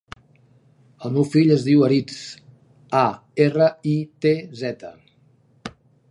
El meu fill es diu Aritz: a, erra, i, te, zeta.